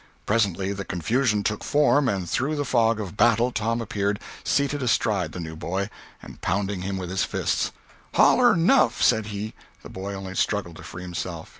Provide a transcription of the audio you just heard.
Presently the confusion took form, and through the fog of battle Tom appeared, seated astride the new boy, and pounding him with his fists. "Holler 'nuff!" said he. The boy only struggled to free himself.